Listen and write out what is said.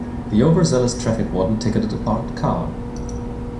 The overzealous traffic warden ticketed a parked car.